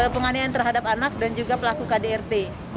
penganiayaan terhadap anak dan juga pelaku kdrt